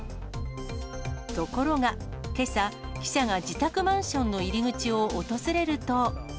ところが、けさ、記者が自宅マンションの入り口を訪れると。